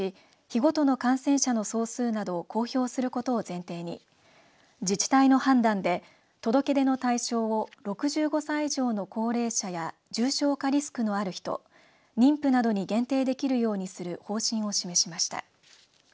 日ごとの感染者の総数など公表することを前提に自治体の判断で届け出の対象を６５歳以上の高齢者や重症化リスクのある人妊婦などに限定できるようにする方針を示しました。